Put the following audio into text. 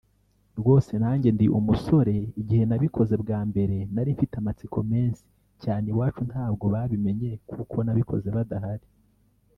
Rwose nanjye ndi umusore igihe nabikoze bwambere nari mfite amatsiko mensi cyane iwacu ntabwo babimenye kuko nabikoze badahari